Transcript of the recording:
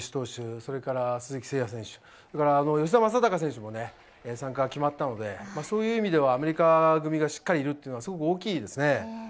それから鈴木誠也選手、吉田正尚選手も決まったのでそういう意味ではアメリカ組がしっかりいるというのはすごく大きいですね。